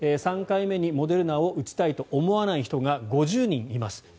３回目にモデルナを打ちたいと思わない人が５０人います。